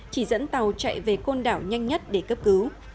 chỉ dẫn tàu chạy về côn đảo nhanh nhất để cấp cứu